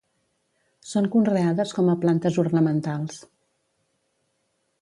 Són conreades com a plantes ornamentals.